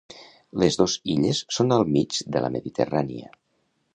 Les dos illes són al mig de la Mediterrània.